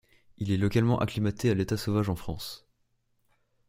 Il est localement acclimaté à l'état sauvage en France.